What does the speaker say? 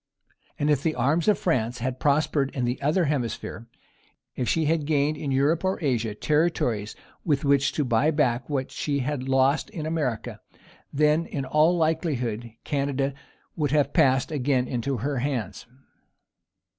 And if the arms of France had prospered in the other hemisphere; if she had gained in Europe or Asia territories with which to buy back what she had lost in America, then, in all likelihood, Canada would have passed again into her hands.